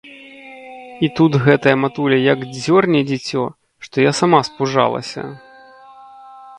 І тут гэтая матуля як дзёрне дзіцё, што я сама спужалася.